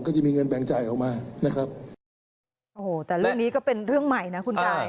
ก็จะมีเงินแบ่งจ่ายออกมานะครับโอ้โหแต่เรื่องนี้ก็เป็นเรื่องใหม่นะคุณกาย